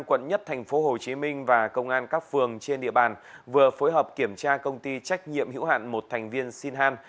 công an quận một tp hcm và công an các phường trên địa bàn vừa phối hợp kiểm tra công ty trách nhiệm hữu hạn một thành viên sinhan